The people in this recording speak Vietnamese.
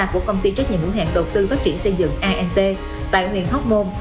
của công ty trách nhiệm ngũ hạng đầu tư phát triển xây dựng int tại huyện hóc môn